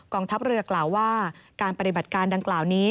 ทัพเรือกล่าวว่าการปฏิบัติการดังกล่าวนี้